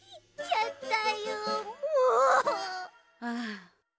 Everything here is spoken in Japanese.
ああ。